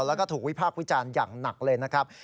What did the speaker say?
แล้วก็ถูกวิพากษ์วิจารณ์อย่างหนักเลยนะครับ